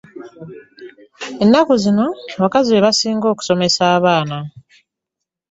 Ennaku zino abakazi bebasinga okusomesa abaana.